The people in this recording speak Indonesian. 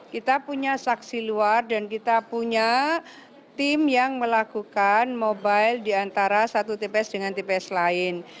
kita punya saksi luar dan kita punya tim yang melakukan mobile di antara satu tps dengan tps lain